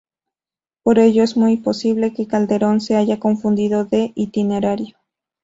Por ello es muy posible que Calderón se haya confundido de itinerario.